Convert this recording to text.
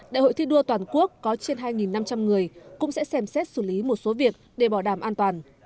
đại hội thi đua toàn quốc có trên hai năm trăm linh người cũng sẽ xem xét xử lý một số việc để bảo đảm an toàn